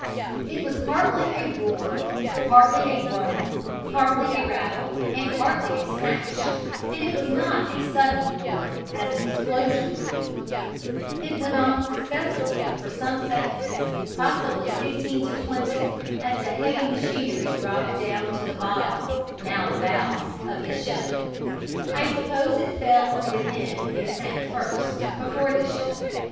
It was partly a roar, partly a groan, partly a rattle, and partly a smash, and it was not a sudden roar as an explosion would be: it went on successively for some seconds, possibly fifteen to twenty, as the heavy machinery dropped down to the bottom (now the bows) of the ship: I suppose it fell through the end and sank first, before the ship.